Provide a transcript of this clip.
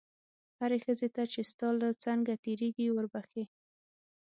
هرې ښځې ته چې ستا له څنګه تېرېږي وربښې.